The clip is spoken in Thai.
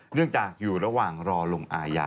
เนื่องจากอยู่ระหว่างรอลงอาญา